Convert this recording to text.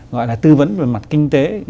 gọi là tư vấn về mặt kinh tế